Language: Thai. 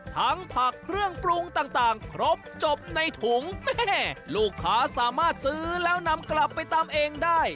ผักเครื่องปรุงต่างครบจบในถุงแม่ลูกค้าสามารถซื้อแล้วนำกลับไปตำเองได้